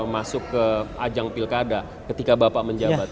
masuk ke ajang pilkada ketika bapak menjabat